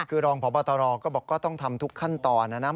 คือรองพบตรก็บอกก็ต้องทำทุกขั้นตอนนะนะ